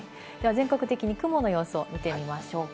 全国的に雲の様子を見てみましょうか。